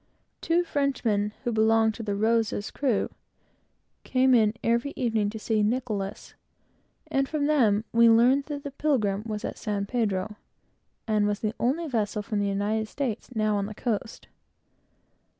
Two Frenchmen, who belonged to the Rosa's crew, came in, every evening, to see Nicholas; and from them we learned that the Pilgrim was at San Pedro, and was the only other vessel now on the coast.